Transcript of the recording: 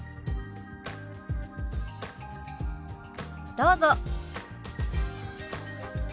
どうぞ。